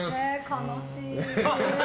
悲しい。